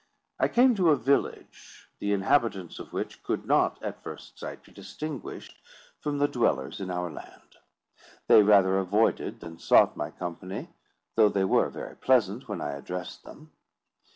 I came to a village, the inhabitants of which could not at first sight be distinguished from the dwellers in our land. They rather avoided than sought my company, though they were very pleasant when I addressed them.